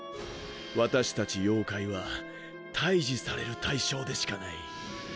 私たち妖怪は退治される対象でしかない。